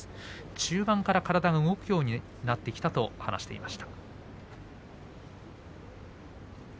中盤から体が動くようになってきたと言っています。